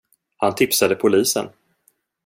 Han tipsade polisen.